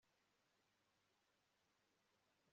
Kuki ukora gutya